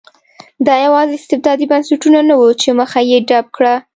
دا یوازې استبدادي بنسټونه نه وو چې مخه یې ډپ کړه.